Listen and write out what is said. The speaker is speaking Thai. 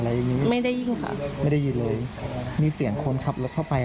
แล้วปกติเจอพี่ฟิชบ่อยมั้ย